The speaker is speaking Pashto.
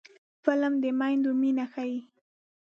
فلم د میندو مینه ښيي